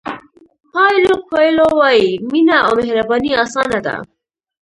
پایلو کویلو وایي مینه او مهرباني اسانه ده.